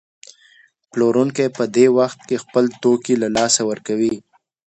پلورونکی په دې وخت کې خپل توکي له لاسه ورکوي